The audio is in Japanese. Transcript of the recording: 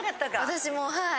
私もはい。